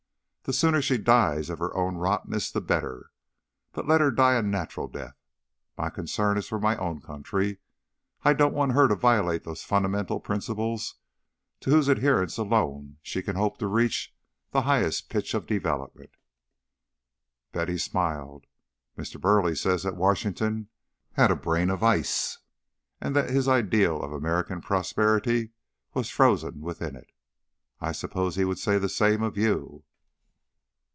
The sooner she dies of her own rottenness the better; but let her die a natural death. My concern is for my own country. I don't want her to violate those fundamental principles to whose adherence alone she can hope to reach the highest pitch of development." Betty smiled. "Mr. Burleigh says that Washington had a brain of ice, and that his ideal of American prosperity was frozen within it. I suppose he would say the same of you."